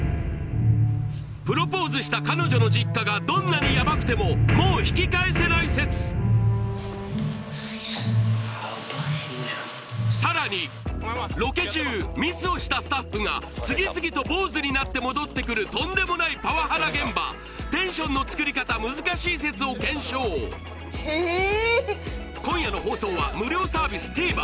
プロポーズした彼女の実家がどんなにヤバくてももう引き返せない説いやヤバいなさらにロケ中ミスをしたスタッフが次々と坊主になって戻ってくるとんでもないパワハラ現場テンションの作り方難しい説を検証ええー！？